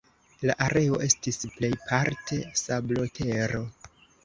La areo estis plejparte sablotero.